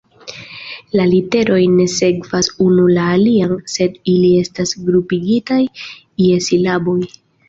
La literoj ne sekvas unu la alian, sed ili estas grupigitaj je silaboj.